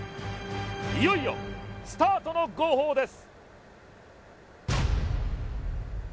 いよいよスタートの号砲です